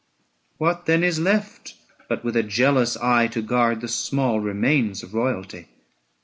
What then is left but with a jealous eye To guard the small remains of royalty